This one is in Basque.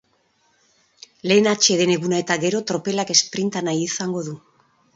Lehen atseden eguna eta gero tropelak esprinta nahi izango du.